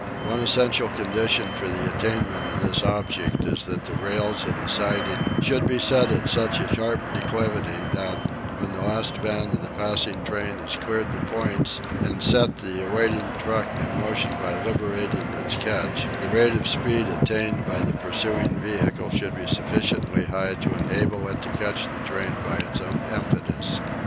One essential condition for the attainment of this object is that the rails of the siding should be set at such a steep declivity that, when the last van of the passing train has cleared the points and set the waiting truck in motion by liberating its catch, the rate of speed attained by the pursuing vehicle should be sufficiently high to enable it to catch the train by its own impetus.